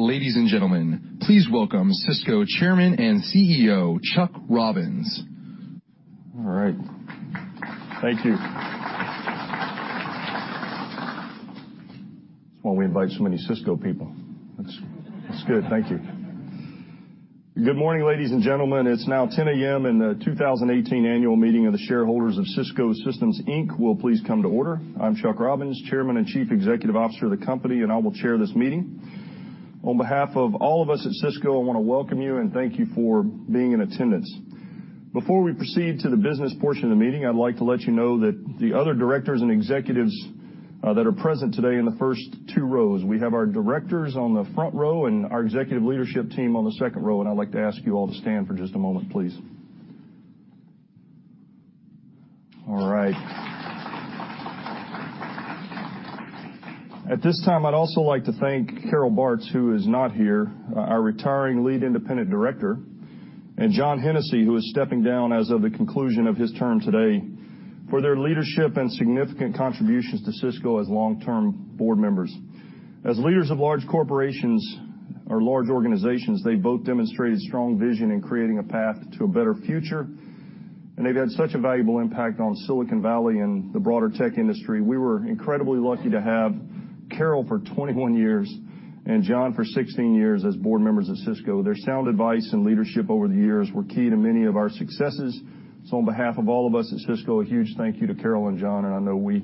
Ladies and gentlemen, please welcome Cisco Chairman and CEO, Chuck Robbins. All right. Thank you. That's why we invite so many Cisco people. That's good. Thank you. Good morning, ladies and gentlemen. It's now 10:00 A.M. The 2018 annual meeting of the shareholders of Cisco Systems, Inc. will please come to order. I'm Chuck Robbins, Chairman and Chief Executive Officer of the company, and I will chair this meeting. On behalf of all of us at Cisco, I want to welcome you and thank you for being in attendance. Before we proceed to the business portion of the meeting, I'd like to let you know that the other directors and executives that are present today in the first two rows. We have our directors on the front row and our executive leadership team on the second row. I'd like to ask you all to stand for just a moment, please. All right. At this time, I'd also like to thank Carol Bartz, who is not here, our retiring lead independent director, and John Hennessy, who is stepping down as of the conclusion of his term today, for their leadership and significant contributions to Cisco as long-term board members. As leaders of large corporations or large organizations, they both demonstrated strong vision in creating a path to a better future. They've had such a valuable impact on Silicon Valley and the broader tech industry. We were incredibly lucky to have Carol for 21 years and John for 16 years as board members at Cisco. Their sound advice and leadership over the years were key to many of our successes. On behalf of all of us at Cisco, a huge thank you to Carol and John. I know we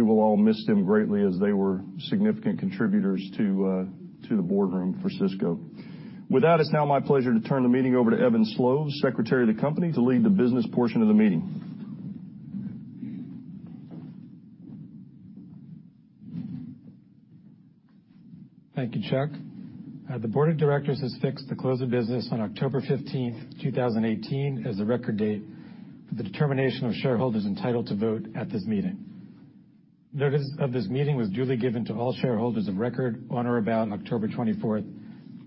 will all miss them greatly as they were significant contributors to the boardroom for Cisco. With that, it's now my pleasure to turn the meeting over to Evan Sloves, Secretary of the company, to lead the business portion of the meeting. Thank you, Chuck. The board of directors has fixed the close of business on October 15th, 2018, as the record date for the determination of shareholders entitled to vote at this meeting. Notice of this meeting was duly given to all shareholders of record on or about October 24th,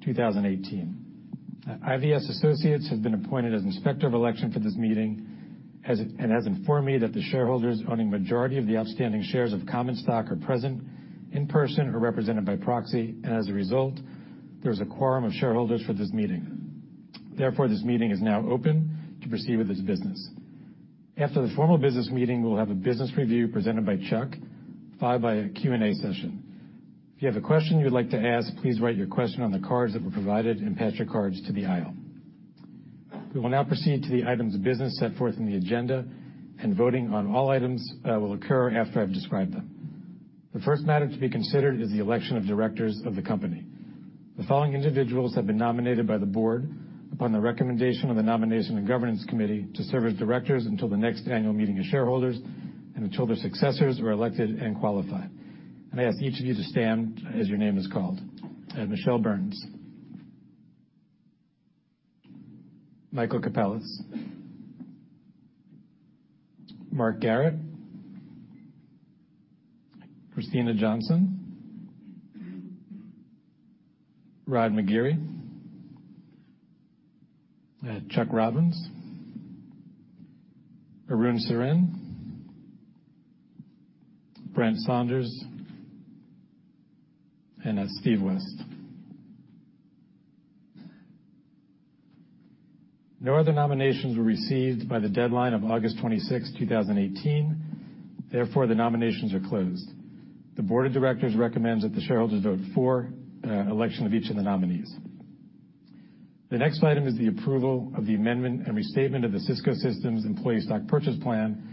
2018. IVS Associates has been appointed as Inspector of Election for this meeting and has informed me that the shareholders owning a majority of the outstanding shares of common stock are present in person or represented by proxy, and as a result, there is a quorum of shareholders for this meeting. Therefore, this meeting is now open to proceed with its business. After the formal business meeting, we'll have a business review presented by Chuck, followed by a Q&A session. If you have a question you'd like to ask, please write your question on the cards that were provided and pass your cards to the aisle. We will now proceed to the items of business set forth in the agenda. Voting on all items will occur after I've described them. The first matter to be considered is the election of directors of the company. The following individuals have been nominated by the board upon the recommendation of the nomination and governance committee to serve as directors until the next annual meeting of shareholders and until their successors are elected and qualified. I'd ask each of you to stand as your name is called. Michele Burns. Michael Capellas. Mark Garrett. Kristina Johnson. Rod McGeary. Chuck Robbins. Arun Sarin. Brent Saunders. Steve West. No other nominations were received by the deadline of August 26, 2018. Therefore, the nominations are closed. The board of directors recommends that the shareholders vote for election of each of the nominees. The next item is the approval of the amendment and restatement of the Cisco Systems Employee Stock Purchase Plan,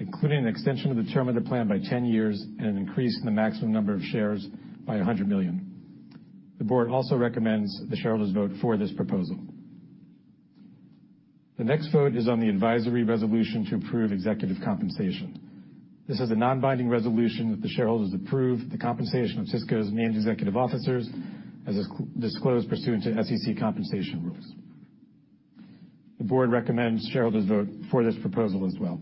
including an extension of the term of the plan by 10 years and an increase in the maximum number of shares by 100 million. The board also recommends the shareholders vote for this proposal. The next vote is on the advisory resolution to approve executive compensation. This is a non-binding resolution that the shareholders approve the compensation of Cisco's named executive officers as is disclosed pursuant to SEC compensation rules. The board recommends shareholders vote for this proposal as well.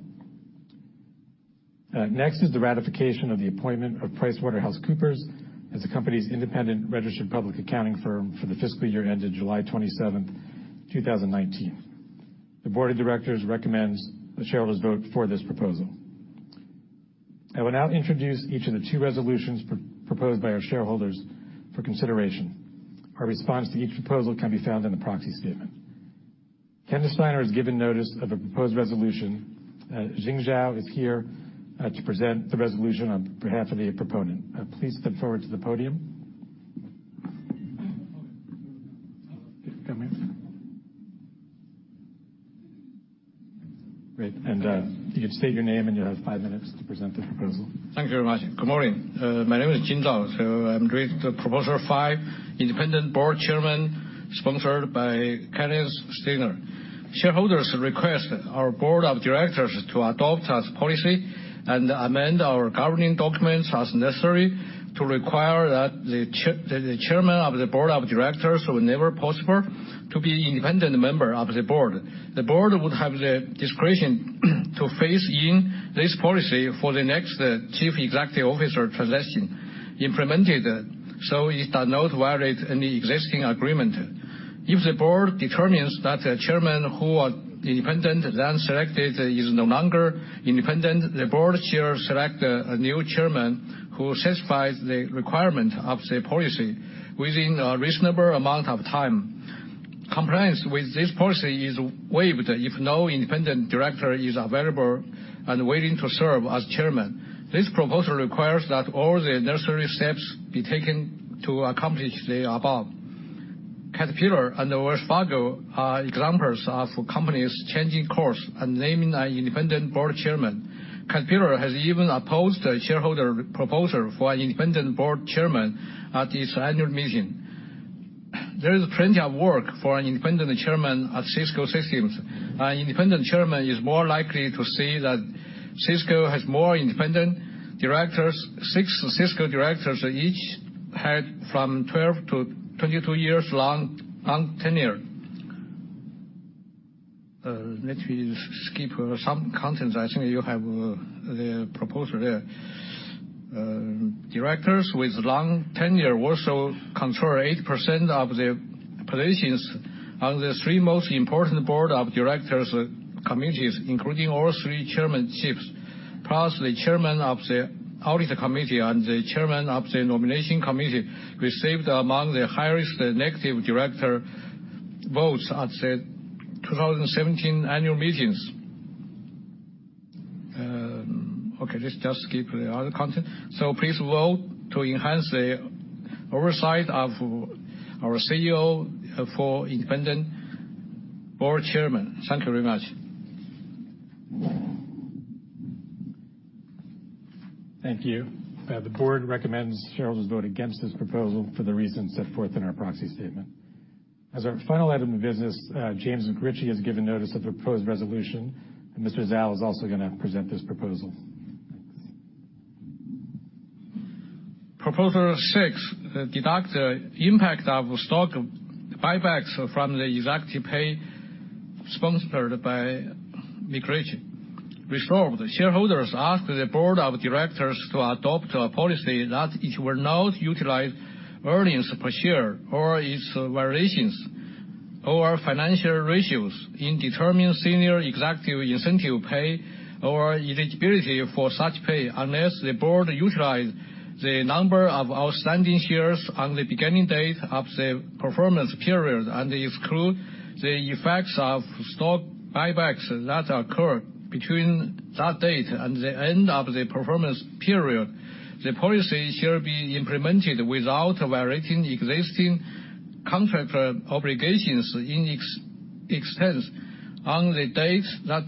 Next is the ratification of the appointment of PricewaterhouseCoopers as the company's independent registered public accounting firm for the fiscal year ended July 27, 2019. The board of directors recommends the shareholders vote for this proposal. I will now introduce each of the two resolutions proposed by our shareholders for consideration. Our response to each proposal can be found in the proxy statement. Kenneth Steiner has given notice of a proposed resolution. Jing Zhao is here to present the resolution on behalf of the proponent. Please step forward to the podium. Come here. Great. You can state your name, and you have five minutes to present the proposal. Thank you very much. Good morning. My name is Jing Zhao. I'm reading the Proposal Five, Independent Board Chairman, sponsored by Kenneth Steiner. Shareholders request our board of directors to adopt as policy and amend our governing documents as necessary to require that the chairman of the board of directors, whenever possible, to be an independent member of the board. The board would have the discretion to phase in this policy for the next Chief Executive Officer succession. Implemented so it does not violate any existing agreement. If the board determines that a chairman who was independent at the time selected is no longer independent, the board shall select a new chairman who satisfies the requirement of the policy within a reasonable amount of time. Compliance with this policy is waived if no independent director is available and waiting to serve as chairman. This proposal requires that all the necessary steps be taken to accomplish the above. Caterpillar and Wells Fargo are examples of companies changing course and naming an independent board chairman. Caterpillar has even opposed a shareholder proposal for an independent board chairman at its annual meeting. There is plenty of work for an independent chairman at Cisco Systems. An independent chairman is more likely to see that Cisco has more independent directors. Six Cisco directors each had from 12-22 years long tenure. Let me skip some content. I think you have the proposal there. Directors with long tenure also control 80% of the positions on the three most important board of directors committees, including all three chairman shifts. Plus, the chairman of the audit committee and the chairman of the nomination committee received among the highest negative director votes at the 2017 annual meetings. Let's just skip the other content. Please vote to enhance the oversight of our CEO for independent board chairman. Thank you very much. Thank you. The board recommends shareholders vote against this proposal for the reasons set forth in our proxy statement. As our final item of business, James McRitchie has given notice of the proposed resolution, and Mr. Zhao is also going to present this proposal. Proposal six, deduct the impact of stock buybacks from the executive pay, sponsored by McRitchie. Resolve, the shareholders ask the board of directors to adopt a policy that it will not utilize earnings per share or its variations or financial ratios in determining senior executive incentive pay or eligibility for such pay, unless the board utilize the number of outstanding shares on the beginning date of the performance period and exclude the effects of stock buybacks that occur between that date and the end of the performance period. The policy shall be implemented without varying existing contract obligations in its expense on the date that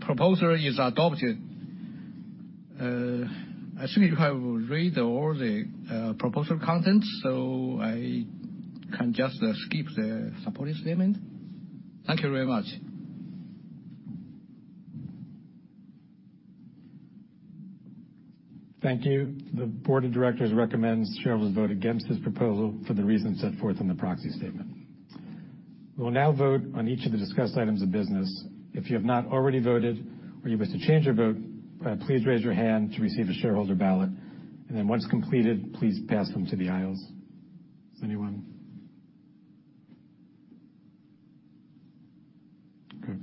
proposal is adopted. I assume you have read all the proposal content. I can just skip the supporting statement. Thank you very much. Thank you. The board of directors recommends shareholders vote against this proposal for the reasons set forth in the proxy statement. We will now vote on each of the discussed items of business. If you have not already voted or you wish to change your vote, please raise your hand to receive a shareholder ballot. Once completed, please pass them to the aisles. Does anyone? Good.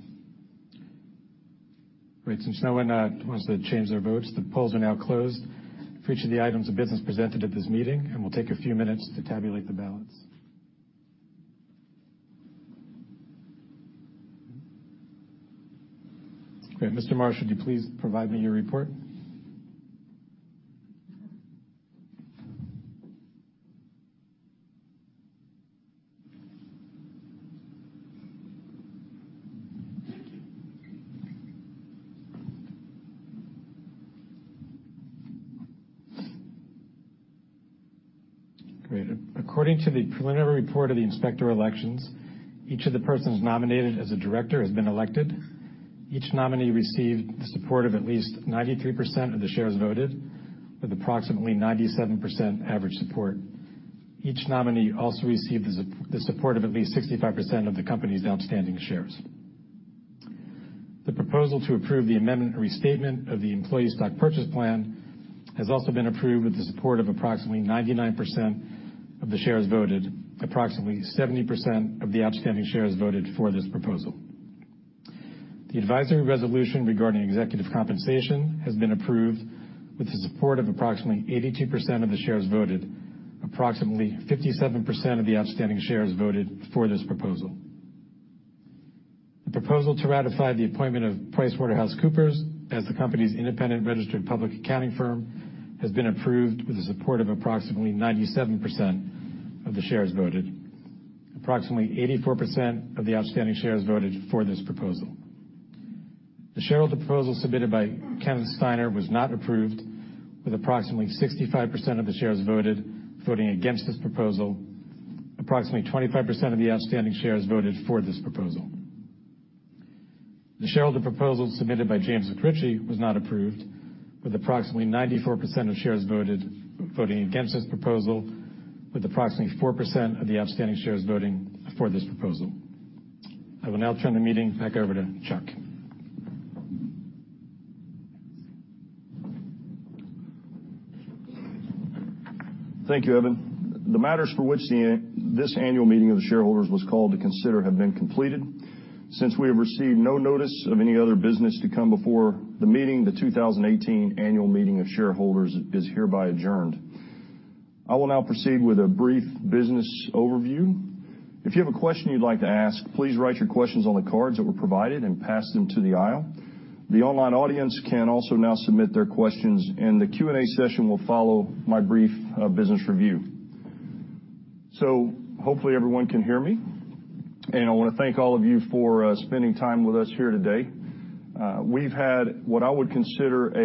Great. No one wants to change their votes, the polls are now closed for each of the items of business presented at this meeting. We'll take a few minutes to tabulate the ballots. Okay, Mr. Marsh, would you please provide me your report? Great. According to the preliminary report of the Inspector of Election, each of the persons nominated as a director has been elected. Each nominee received the support of at least 93% of the shares voted with approximately 97% average support. Each nominee also received the support of at least 65% of the company's outstanding shares. The proposal to approve the amendment or restatement of the Employee Stock Purchase Plan has also been approved with the support of approximately 99% of the shares voted. Approximately 70% of the outstanding shares voted for this proposal. The advisory resolution regarding executive compensation has been approved with the support of approximately 82% of the shares voted. Approximately 57% of the outstanding shares voted for this proposal. The proposal to ratify the appointment of PricewaterhouseCoopers as the company's independent registered public accounting firm has been approved with the support of approximately 97% of the shares voted. Approximately 84% of the outstanding shares voted for this proposal. The shareholder proposal submitted by Kenneth Steiner was not approved, with approximately 65% of the shares voted, voting against this proposal. Approximately 25% of the outstanding shares voted for this proposal. The shareholder proposal submitted by James McRitchie was not approved, with approximately 94% of shares voted, voting against this proposal, with approximately 4% of the outstanding shares voting for this proposal. I will now turn the meeting back over to Chuck. Thank you, Evan. The matters for which this annual meeting of the shareholders was called to consider have been completed. Since we have received no notice of any other business to come before the meeting, the 2018 annual meeting of shareholders is hereby adjourned. I will now proceed with a brief business overview. If you have a question you'd like to ask, please write your questions on the cards that were provided and pass them to the aisle. The online audience can also now submit their questions, and the Q&A session will follow my brief business review. Hopefully, everyone can hear me. I want to thank all of you for spending time with us here today. We've had what I would consider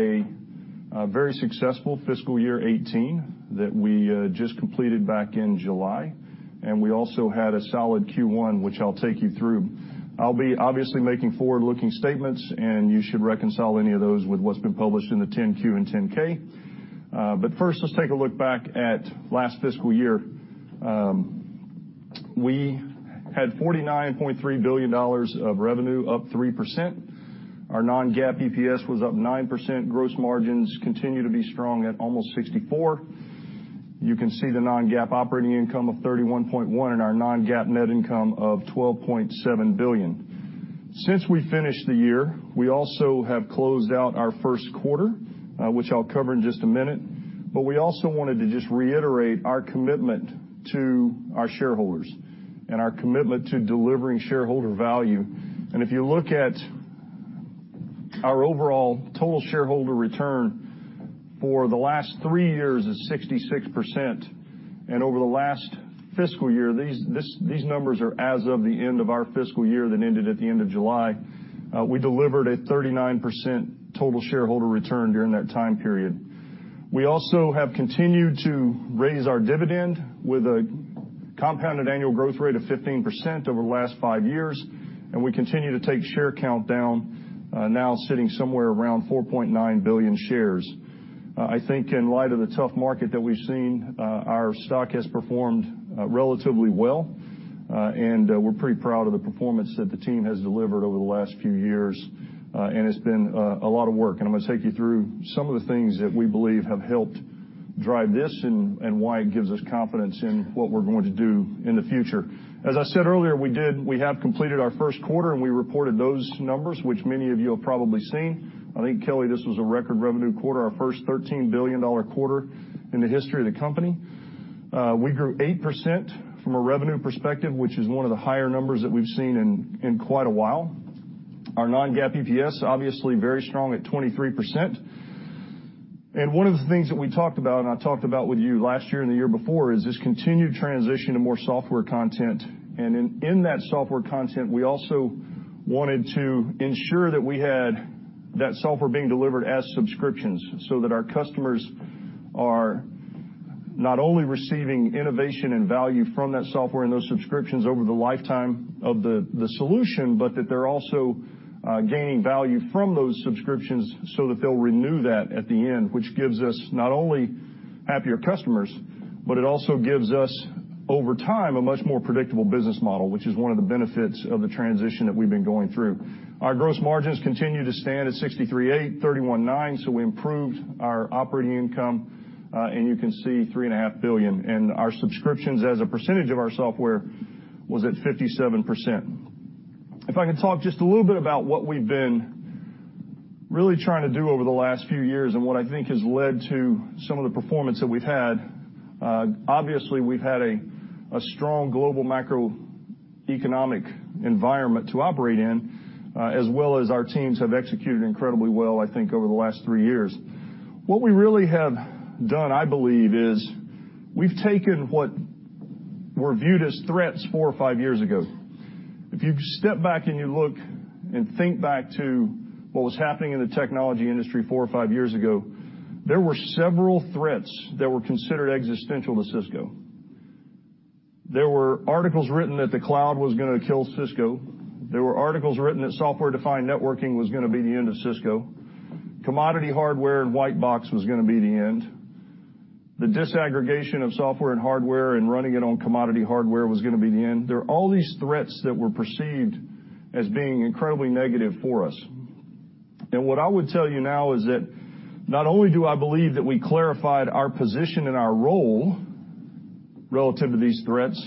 a very successful fiscal year 2018 that we just completed back in July, and we also had a solid Q1, which I'll take you through. I'll be obviously making forward-looking statements. You should reconcile any of those with what's been published in the Form 10-Q and 10-K. First, let's take a look back at last fiscal year. We had $49.3 billion of revenue, up 3%. Our non-GAAP EPS was up 9%. Gross margins continue to be strong at almost 64%. You can see the non-GAAP operating income of $31.1 billion and our non-GAAP net income of $12.7 billion. Since we finished the year, we also have closed out our first quarter, which I'll cover in just a minute. We also wanted to just reiterate our commitment to our shareholders and our commitment to delivering shareholder value. If you look at our overall total shareholder return for the last three years is 66%. Over the last fiscal year, these numbers are as of the end of our fiscal year that ended at the end of July. We delivered a 39% total shareholder return during that time period. We also have continued to raise our dividend with a compounded annual growth rate of 15% over the last five years, and we continue to take share count down, now sitting somewhere around 4.9 billion shares. I think in light of the tough market that we've seen, our stock has performed relatively well, and we're pretty proud of the performance that the team has delivered over the last few years. It's been a lot of work. I'm going to take you through some of the things that we believe have helped drive this and why it gives us confidence in what we're going to do in the future. As I said earlier, we have completed our first quarter. We reported those numbers, which many of you have probably seen. I think, Kelly, this was a record revenue quarter, our first $13 billion quarter in the history of the company. We grew 8% from a revenue perspective, which is one of the higher numbers that we've seen in quite a while. Our non-GAAP EPS, obviously very strong at 23%. One of the things that we talked about and I talked about with you last year and the year before, is this continued transition to more software content. In that software content, we also wanted to ensure that we had that software being delivered as subscriptions so that our customers are not only receiving innovation and value from that software and those subscriptions over the lifetime of the solution, but that they're also gaining value from those subscriptions so that they'll renew that at the end, which gives us not only happier customers, but it also gives us, over time, a much more predictable business model, which is one of the benefits of the transition that we've been going through. Our gross margins continue to stand at 63.8%, 31.9%. We improved our operating income. You can see $3.5 billion. Our subscriptions as a percentage of our software was at 57%. If I could talk just a little bit about what we've been really trying to do over the last few years and what I think has led to some of the performance that we've had. Obviously, we've had a strong global macroeconomic environment to operate in, as well as our teams have executed incredibly well, I think, over the last three years. What we really have done, I believe, is we've taken what were viewed as threats four or five years ago. If you step back and you look and think back to what was happening in the technology industry four or five years ago, there were several threats that were considered existential to Cisco. There were articles written that the cloud was going to kill Cisco. There were articles written that software-defined networking was going to be the end of Cisco. Commodity hardware and white box was going to be the end. The disaggregation of software and hardware and running it on commodity hardware was going to be the end. There are all these threats that were perceived as being incredibly negative for us. What I would tell you now is that not only do I believe that we clarified our position and our role relative to these threats,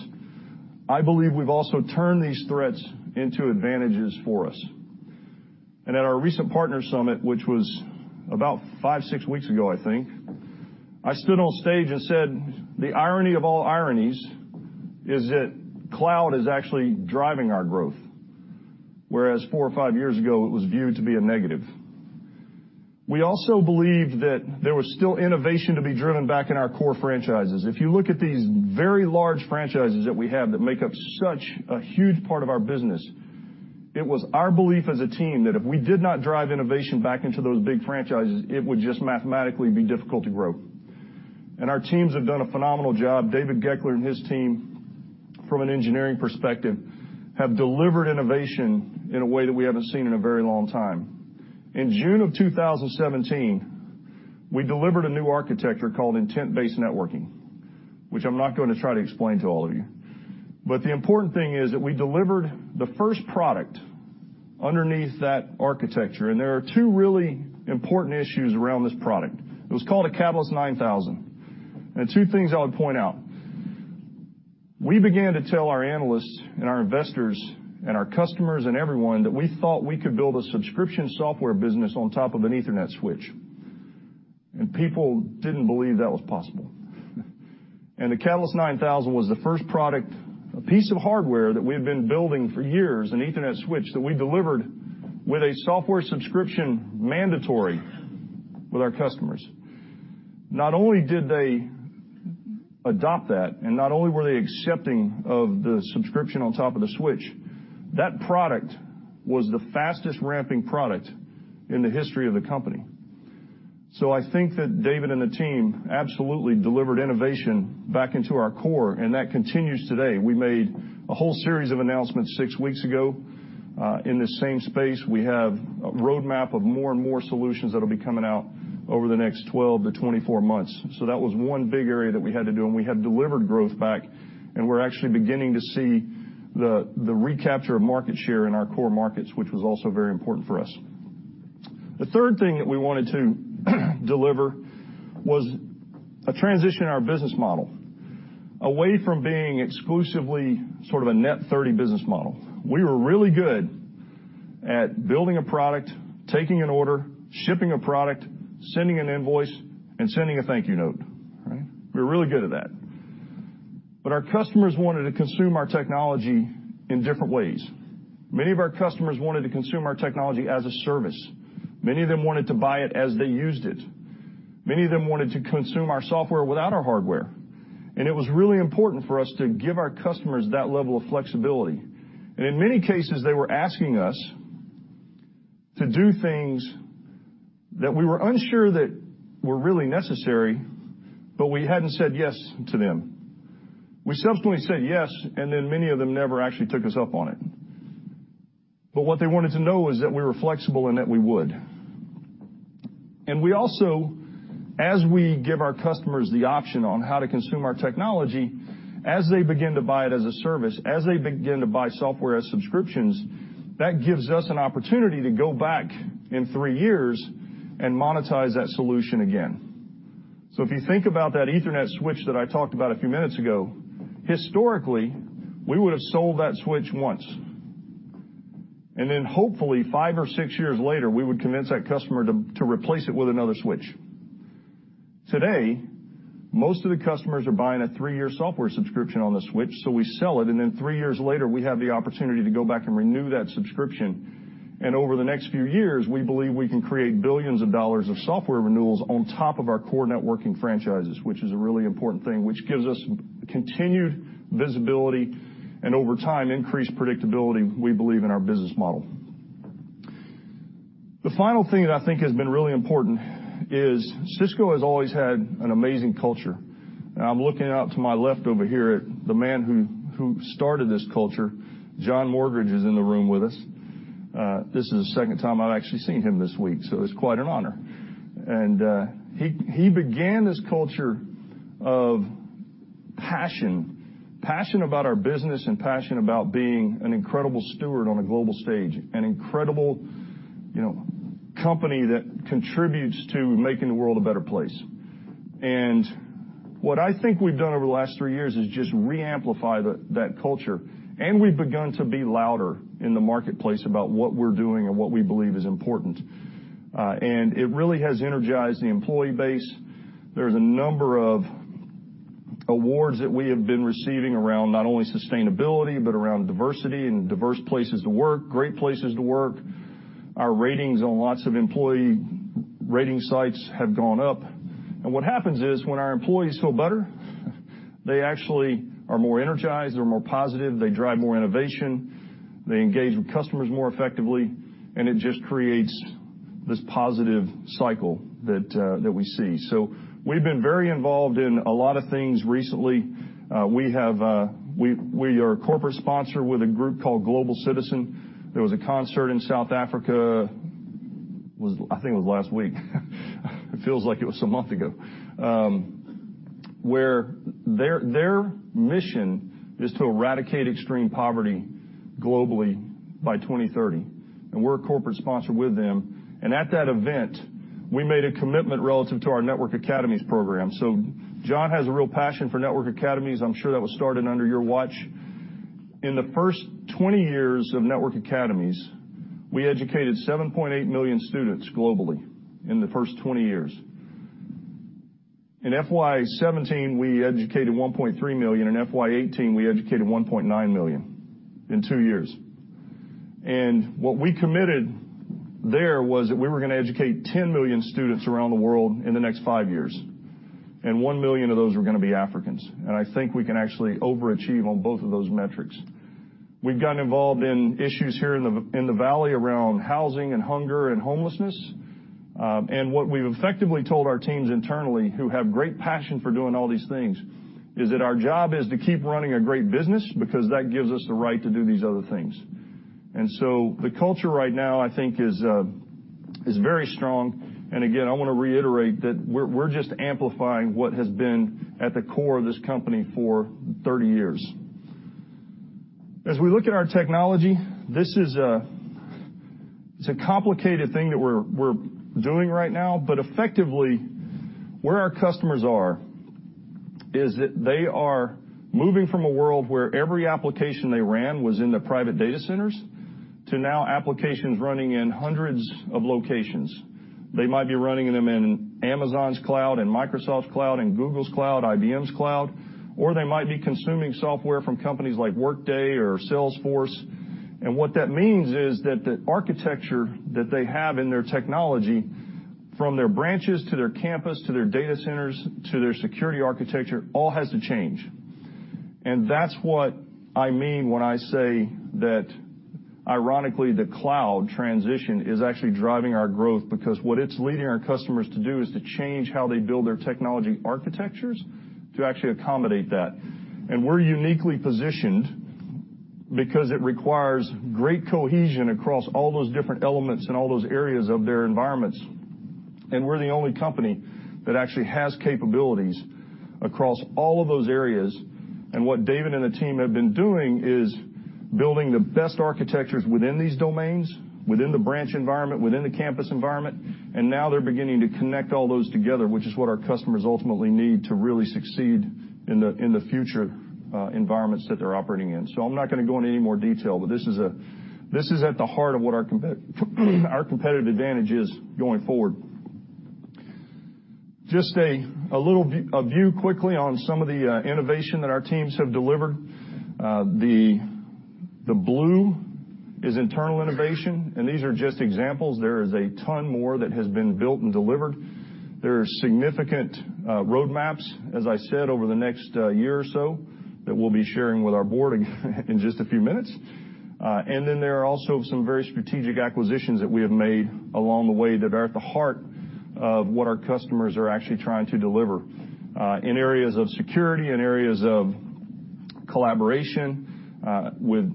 I believe we've also turned these threats into advantages for us. At our recent partner summit, which was about five, six weeks ago, I think, I stood on stage and said, "The irony of all ironies is that cloud is actually driving our growth," whereas four or five years ago, it was viewed to be a negative. We also believed that there was still innovation to be driven back in our core franchises. If you look at these very large franchises that we have that make up such a huge part of our business, it was our belief as a team that if we did not drive innovation back into those big franchises, it would just mathematically be difficult to grow. Our teams have done a phenomenal job. David Goeckeler and his team, from an engineering perspective, have delivered innovation in a way that we haven't seen in a very long time. In June of 2017, we delivered a new architecture called Intent-Based Networking, which I'm not going to try to explain to all of you. The important thing is that we delivered the first product underneath that architecture, and there are two really important issues around this product. It was called a Catalyst 9000. Two things I would point out. We began to tell our analysts and our investors and our customers and everyone that we thought we could build a subscription software business on top of an Ethernet switch. People didn't believe that was possible. The Catalyst 9000 was the first product, a piece of hardware that we had been building for years, an Ethernet switch that we delivered with a software subscription mandatory with our customers. Not only did they adopt that, and not only were they accepting of the subscription on top of the switch, that product was the fastest-ramping product in the history of the company. I think that David and the team absolutely delivered innovation back into our core, and that continues today. We made a whole series of announcements six weeks ago, in the same space. We have a roadmap of more and more solutions that'll be coming out over the next 12-24 months. That was one big area that we had to do, and we have delivered growth back, and we're actually beginning to see the recapture of market share in our core markets, which was also very important for us. The third thing that we wanted to deliver was a transition in our business model away from being exclusively sort of a net 30 business model. We were really good at building a product, taking an order, shipping a product, sending an invoice, and sending a thank you note. We were really good at that. Our customers wanted to consume our technology in different ways. Many of our customers wanted to consume our technology as a service. Many of them wanted to buy it as they used it. Many of them wanted to consume our software without our hardware. It was really important for us to give our customers that level of flexibility. In many cases, they were asking us to do things that we were unsure that were really necessary, but we hadn't said yes to them. We subsequently said yes, and then many of them never actually took us up on it. What they wanted to know was that we were flexible and that we would. We also, as we give our customers the option on how to consume our technology, as they begin to buy it as a service, as they begin to buy software as subscriptions, that gives us an opportunity to go back in three years and monetize that solution again. If you think about that Ethernet switch that I talked about a few minutes ago, historically, we would have sold that switch once. Hopefully, five or six years later, we would convince that customer to replace it with another switch. Today, most of the customers are buying a three-year software subscription on the switch, so we sell it, and then three years later, we have the opportunity to go back and renew that subscription. Over the next few years, we believe we can create billions of dollars of software renewals on top of our core networking franchises, which is a really important thing, which gives us continued visibility and, over time, increased predictability, we believe in our business model. The final thing that I think has been really important is Cisco has always had an amazing culture. I'm looking out to my left over here at the man who started this culture. John Morgridge is in the room with us. This is the second time I've actually seen him this week, so it's quite an honor. He began this culture of passion about our business and passion about being an incredible steward on a global stage, an incredible company that contributes to making the world a better place. What I think we've done over the last three years is just re-amplify that culture, and we've begun to be louder in the marketplace about what we're doing and what we believe is important. It really has energized the employee base. There's a number of awards that we have been receiving around not only sustainability, but around diversity and diverse places to work, great places to work. Our ratings on lots of employee rating sites have gone up. What happens is when our employees feel better, they actually are more energized, they're more positive, they drive more innovation, they engage with customers more effectively, and it just creates this positive cycle that we see. We've been very involved in a lot of things recently. We are a corporate sponsor with a group called Global Citizen. There was a concert in South Africa, I think it was last week. It feels like it was a month ago. Their mission is to eradicate extreme poverty globally by 2030, and we're a corporate sponsor with them. At that event, we made a commitment relative to our Network Academies program. John has a real passion for Network Academies. I'm sure that was started under your watch. In the first 20 years of Network Academies, we educated 7.8 million students globally in the first 20 years. In FY 2017, we educated 1.3 million. In FY 2018, we educated 1.9 million in two years. What we committed there was that we were going to educate 10 million students around the world in the next five years, and 1 million of those were going to be Africans. I think we can actually overachieve on both of those metrics. We've gotten involved in issues here in the valley around housing and hunger and homelessness. What we've effectively told our teams internally who have great passion for doing all these things is that our job is to keep running a great business because that gives us the right to do these other things. The culture right now, I think is very strong. Again, I want to reiterate that we're just amplifying what has been at the core of this company for 30 years. As we look at our technology, this is a complicated thing that we're doing right now. Effectively, where our customers are is that they are moving from a world where every application they ran was in the private data centers to now applications running in hundreds of locations. They might be running them in Amazon's cloud, in Microsoft's cloud, in Google's cloud, IBM's cloud, or they might be consuming software from companies like Workday or Salesforce. What that means is that the architecture that they have in their technology, from their branches to their campus, to their data centers, to their security architecture, all has to change. That's what I mean when I say that ironically, the cloud transition is actually driving our growth because what it's leading our customers to do is to change how they build their technology architectures to actually accommodate that. We're uniquely positioned because it requires great cohesion across all those different elements and all those areas of their environments, and we're the only company that actually has capabilities across all of those areas. What David and the team have been doing is building the best architectures within these domains, within the branch environment, within the campus environment, and now they're beginning to connect all those together, which is what our customers ultimately need to really succeed in the future environments that they're operating in. I'm not going to go into any more detail, but this is at the heart of what our competitive advantage is going forward. Just a view quickly on some of the innovation that our teams have delivered. The blue is internal innovation, and these are just examples. There is a ton more that has been built and delivered. There are significant roadmaps, as I said, over the next year or so, that we'll be sharing with our board in just a few minutes. Then there are also some very strategic acquisitions that we have made along the way that are at the heart of what our customers are actually trying to deliver, in areas of security, in areas of collaboration, with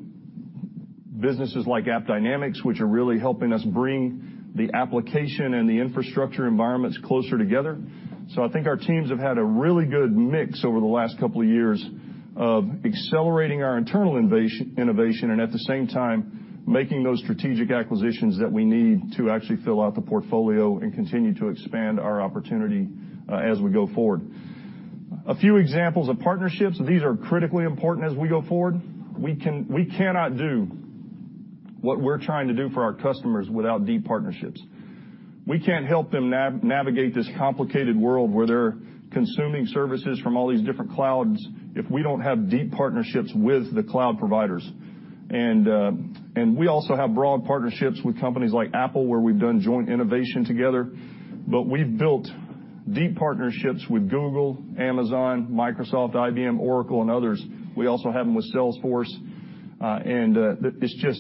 businesses like AppDynamics, which are really helping us bring the application and the infrastructure environments closer together. I think our teams have had a really good mix over the last couple of years of accelerating our internal innovation, and at the same time, making those strategic acquisitions that we need to actually fill out the portfolio and continue to expand our opportunity as we go forward. A few examples of partnerships. These are critically important as we go forward. We cannot do what we're trying to do for our customers without deep partnerships. We can't help them navigate this complicated world where they're consuming services from all these different clouds if we don't have deep partnerships with the cloud providers. We also have broad partnerships with companies like Apple, where we've done joint innovation together. We've built deep partnerships with Google, Amazon, Microsoft, IBM, Oracle, and others. We also have them with Salesforce.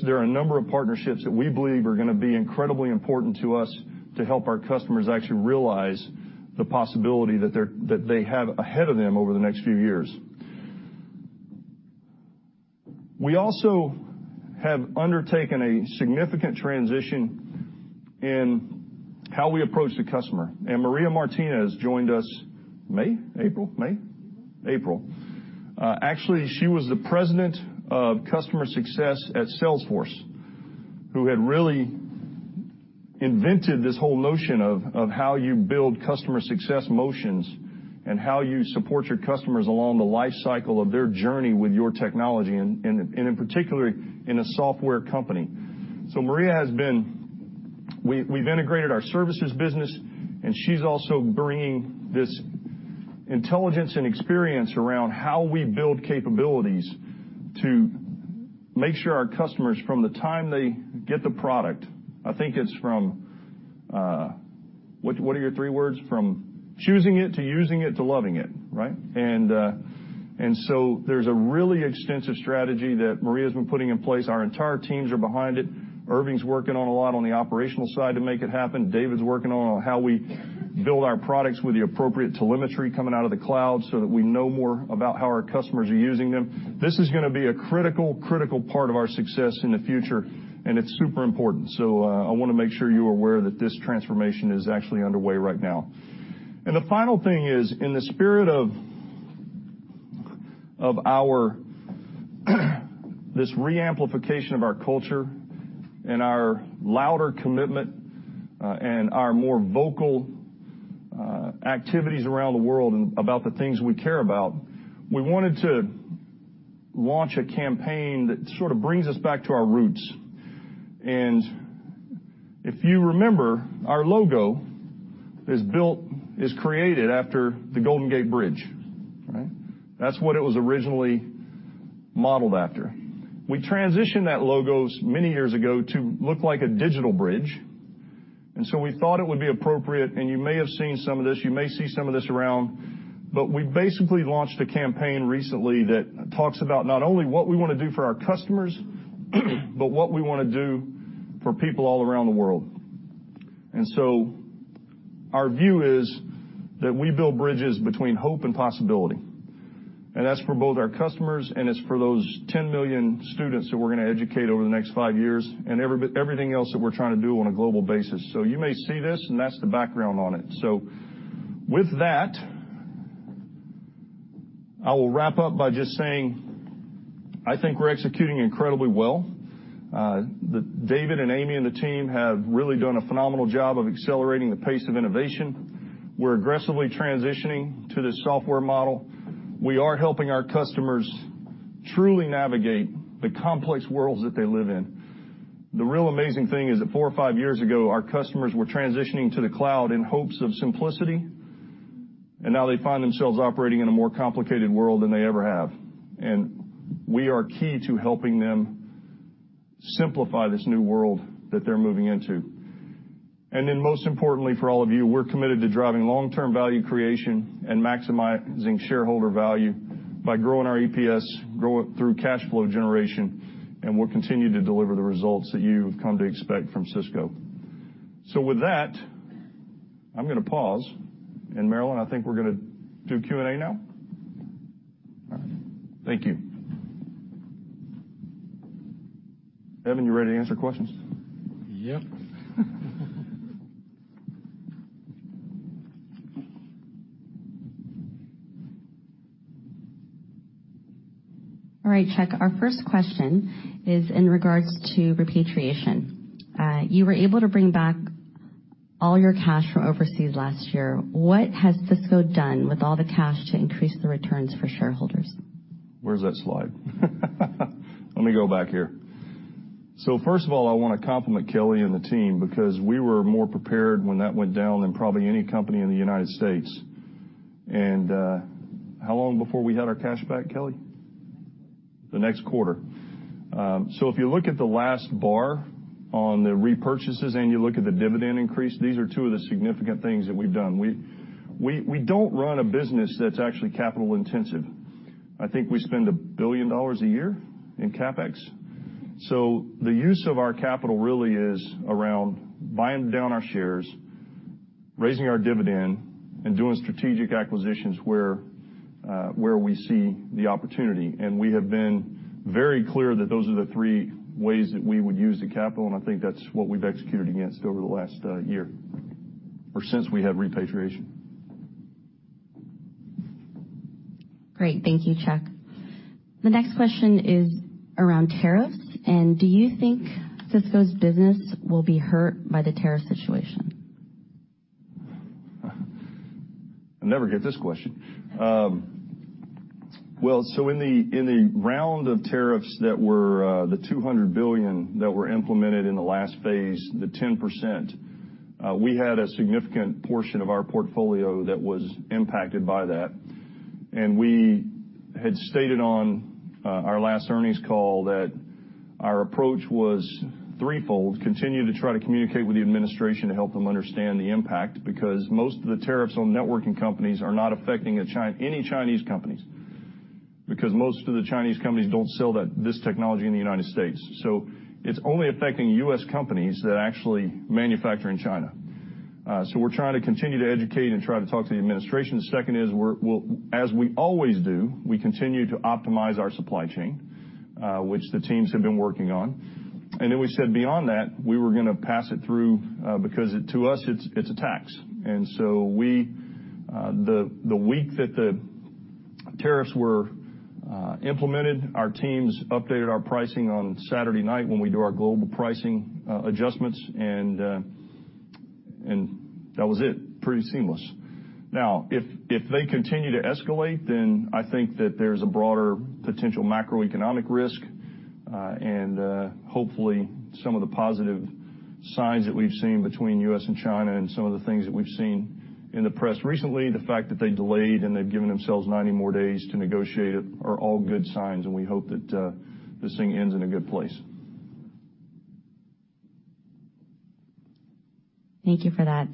There are a number of partnerships that we believe are going to be incredibly important to us to help our customers actually realize the possibility that they have ahead of them over the next few years. We also have undertaken a significant transition in how we approach the customer. Maria Martinez joined us May, April? May? April. Actually, she was the President of Customer Success at Salesforce, who had really invented this whole notion of how you build customer success motions and how you support your customers along the life cycle of their journey with your technology, and in particular, in a software company. We've integrated our services business, and she's also bringing this intelligence and experience around how we build capabilities to make sure our customers, from the time they get the product, I think it's from, what are your three words? From choosing it to using it, to loving it, right? There's a really extensive strategy that Maria's been putting in place. Our entire teams are behind it. Irving's working on a lot on the operational side to make it happen. David's working on how we build our products with the appropriate telemetry coming out of the cloud so that we know more about how our customers are using them. This is going to be a critical part of our success in the future, and it's super important. I want to make sure you are aware that this transformation is actually underway right now. The final thing is, in the spirit of this re-amplification of our culture and our louder commitment, and our more vocal activities around the world about the things we care about, we wanted to launch a campaign that sort of brings us back to our roots. If you remember, our logo is created after the Golden Gate Bridge. Right? That's what it was originally modeled after. We transitioned that logo many years ago to look like a digital bridge, we thought it would be appropriate, and you may have seen some of this, you may see some of this around, we basically launched a campaign recently that talks about not only what we want to do for our customers, but what we want to do for people all around the world. Our view is that we build bridges between hope and possibility, and that's for both our customers, and it's for those 10 million students that we're going to educate over the next five years, and everything else that we're trying to do on a global basis. You may see this, that's the background on it. With that, I will wrap up by just saying, I think we're executing incredibly well. David and Amy, and the team have really done a phenomenal job of accelerating the pace of innovation. We're aggressively transitioning to this software model. We are helping our customers truly navigate the complex worlds that they live in. The really amazing thing is that four or five years ago, our customers were transitioning to the cloud in hopes of simplicity, and now they find themselves operating in a more complicated world than they ever have. We are key to helping them simplify this new world that they're moving into. Most importantly, for all of you, we're committed to driving long-term value creation and maximizing shareholder value by growing our EPS, growing through cash flow generation, and we'll continue to deliver the results that you've come to expect from Cisco. With that, I'm going to pause. Marilyn, I think we're going to do Q&A now. All right. Thank you. Evan, you ready to answer questions? Yep. All right, Chuck, our first question is in regards to repatriation. You were able to bring back all your cash from overseas last year. What has Cisco done with all the cash to increase the returns for shareholders? Where's that slide? Let me go back here. First of all, I want to compliment Kelly and the team because we were more prepared when that went down than probably any company in the United States. How long before we had our cash back, Kelly? The next quarter. If you look at the last bar on the repurchases and you look at the dividend increase, these are two of the significant things that we've done. We don't run a business that's actually capital intensive. I think we spend $1 billion a year in CapEx. The use of our capital really is around buying down our shares, raising our dividend, and doing strategic acquisitions where we see the opportunity. We have been very clear that those are the three ways that we would use the capital, and I think that's what we've executed against over the last year, or since we had repatriation. Great. Thank you, Chuck. The next question is around tariffs, do you think Cisco's business will be hurt by the tariff situation? I never get this question. In the round of tariffs, the $200 billion that were implemented in the last phase, the 10%, we had a significant portion of our portfolio that was impacted by that. We had stated on our last earnings call that our approach was threefold: continue to try to communicate with the administration to help them understand the impact, because most of the tariffs on networking companies are not affecting any Chinese companies, because most of the Chinese companies don't sell this technology in the United States. It's only affecting U.S. companies that actually manufacture in China. We're trying to continue to educate and try to talk to the administration. The second is, as we always do, we continue to optimize our supply chain, which the teams have been working on. We said beyond that, we were going to pass it through, because to us, it's a tax. The week that the tariffs were implemented, our teams updated our pricing on Saturday night when we do our global pricing adjustments, and that was it. Pretty seamless. Now, if they continue to escalate, then I think that there's a broader potential macroeconomic risk, and hopefully, some of the positive signs that we've seen between U.S. and China and some of the things that we've seen in the press recently, the fact that they delayed and they've given themselves 90 more days to negotiate it are all good signs, and we hope that this thing ends in a good place. Thank you for that.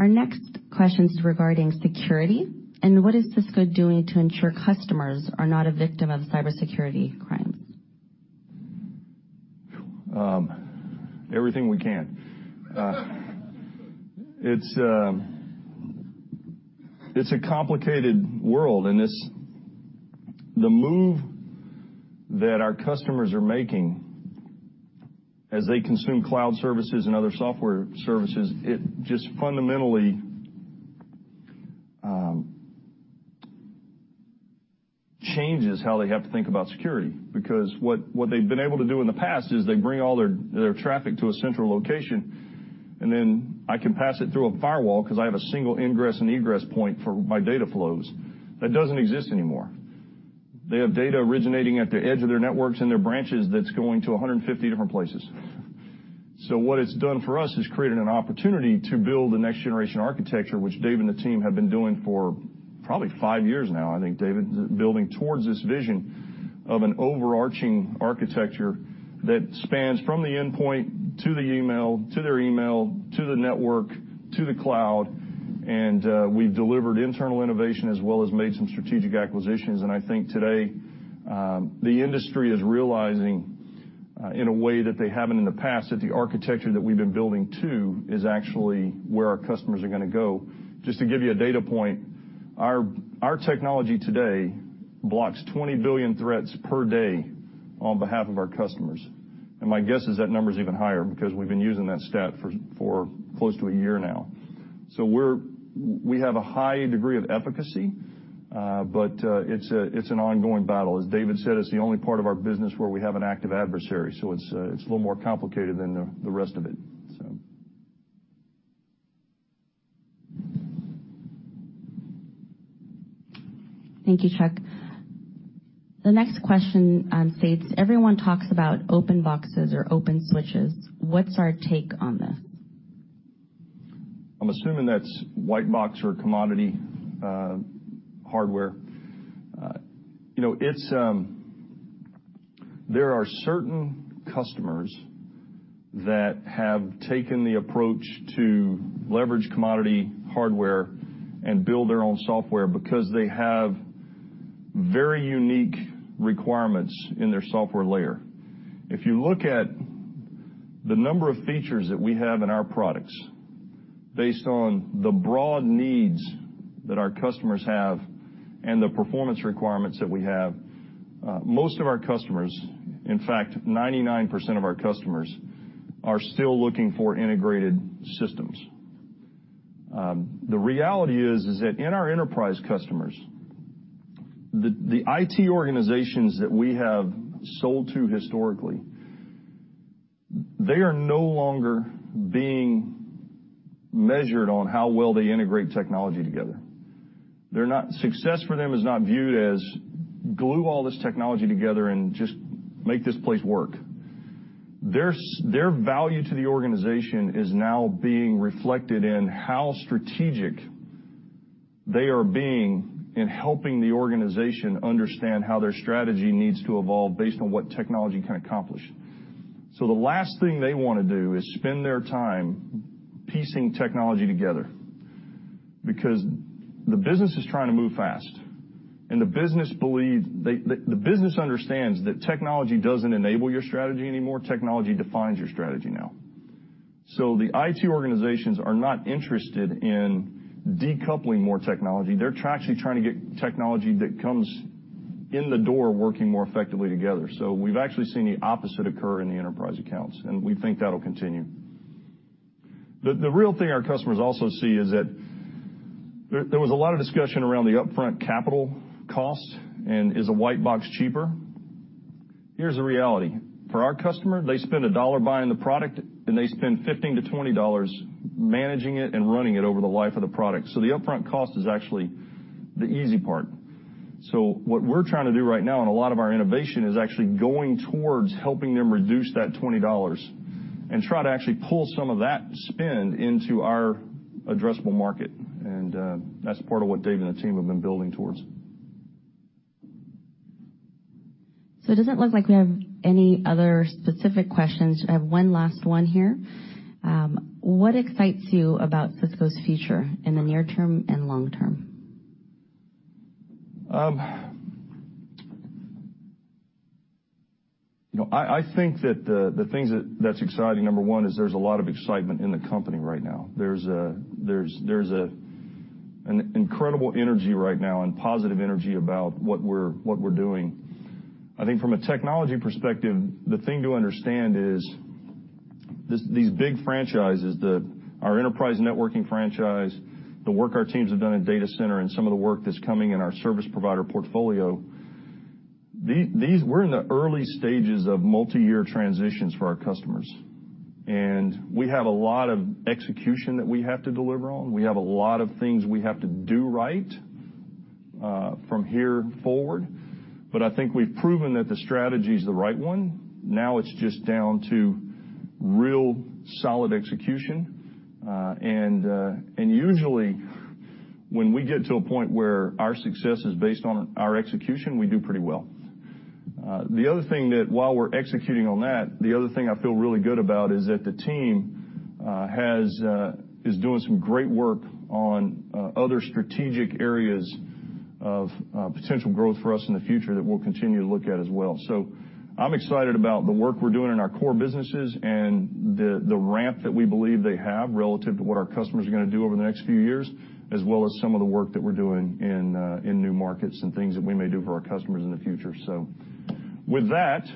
Our next question's regarding security and what is Cisco doing to ensure customers are not a victim of cybersecurity crimes? Everything we can. It's a complicated world. The move that our customers are making as they consume cloud services and other software services, it just fundamentally changes how they have to think about security. What they've been able to do in the past is they bring all their traffic to a central location, I can pass it through a firewall because I have a single ingress and egress point for my data flows. That doesn't exist anymore. They have data originating at the edge of their networks and their branches that's going to 150 different places. What it's done for us is created an opportunity to build the next generation architecture, which Dave and the team have been doing for probably five years now, I think, David, building towards this vision of an overarching architecture that spans from the endpoint to their email, to the network, to the cloud, and we've delivered internal innovation as well as made some strategic acquisitions. I think today, the industry is realizing, in a way that they haven't in the past, that the architecture that we've been building to is actually where our customers are going to go. Just to give you a data point, our technology today blocks 20 billion threats per day on behalf of our customers. My guess is that number is even higher because we've been using that stat for close to one year now. We have a high degree of efficacy, but it's an ongoing battle. As David said, it's the only part of our business where we have an active adversary, so it's a little more complicated than the rest of it. Thank you, Chuck. The next question states, "Everyone talks about open boxes or open switches. What's our take on this? I'm assuming that's white box or commodity hardware. There are certain customers that have taken the approach to leverage commodity hardware and build their own software because they have very unique requirements in their software layer. If you look at the number of features that we have in our products, based on the broad needs that our customers have and the performance requirements that we have, most of our customers, in fact, 99% of our customers, are still looking for integrated systems. The reality is that in our enterprise customers, the IT organizations that we have sold to historically, they are no longer being measured on how well they integrate technology together. Success for them is not viewed as glue all this technology together and just make this place work. Their value to the organization is now being reflected in how strategic they are being in helping the organization understand how their strategy needs to evolve based on what technology can accomplish. The last thing they want to do is spend their time piecing technology together, because the business is trying to move fast, and the business understands that technology doesn't enable your strategy anymore. Technology defines your strategy now. The IT organizations are not interested in decoupling more technology. They're actually trying to get technology that comes in the door working more effectively together. We've actually seen the opposite occur in the enterprise accounts, and we think that'll continue. The real thing our customers also see is that there was a lot of discussion around the upfront capital cost, and is a white box cheaper? Here's the reality. For our customer, they spend $1 buying the product, and they spend $15-$20 managing it and running it over the life of the product. The upfront cost is actually the easy part. What we're trying to do right now in a lot of our innovation is actually going towards helping them reduce that $20 and try to actually pull some of that spend into our addressable market. That's part of what Dave and the team have been building towards. It doesn't look like we have any other specific questions. I have one last one here. What excites you about Cisco's future in the near term and long term? I think that the things that's exciting, number one, is there's a lot of excitement in the company right now. There's an incredible energy right now and positive energy about what we're doing. I think from a technology perspective, the thing to understand is these big franchises, our enterprise networking franchise, the work our teams have done in data center, and some of the work that's coming in our service provider portfolio, we're in the early stages of multi-year transitions for our customers. We have a lot of execution that we have to deliver on. We have a lot of things we have to do right from here forward. I think we've proven that the strategy is the right one. Now it's just down to real solid execution. Usually, when we get to a point where our success is based on our execution, we do pretty well. While we're executing on that, the other thing I feel really good about is that the team is doing some great work on other strategic areas of potential growth for us in the future that we'll continue to look at as well. I'm excited about the work we're doing in our core businesses and the ramp that we believe they have relative to what our customers are going to do over the next few years, as well as some of the work that we're doing in new markets and things that we may do for our customers in the future. With that,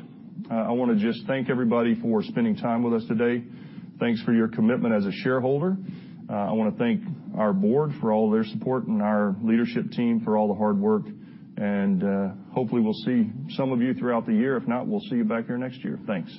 I want to just thank everybody for spending time with us today. Thanks for your commitment as a shareholder. I want to thank our board for all their support and our leadership team for all the hard work. Hopefully, we'll see some of you throughout the year. If not, we'll see you back here next year. Thanks.